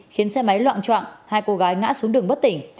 khiến xe máy loạn trọng hai cô gái ngã xuống đường bất tỉnh